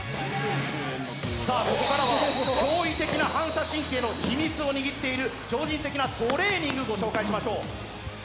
ここからは驚異的な反射神経の秘密を握っている超人的なトレーニング、ご紹介しましょう。